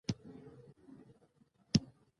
ازادي راډیو د کلتور په اړه د محلي خلکو غږ خپور کړی.